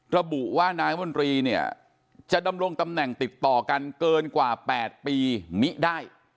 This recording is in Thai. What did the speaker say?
ระบุว่านายมนตรีเนี่ยจะดำรงตำแหน่งติดต่อกันเกินกว่า๘ปีมิได้